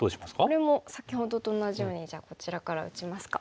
これも先ほどと同じようにじゃあこちらから打ちますか。